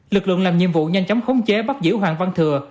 lực lượng làm nhiệm vụ nhanh chóng khống chế bắt giữ hoàng văn thừa